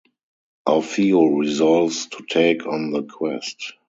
Orfeo resolves to take on the quest.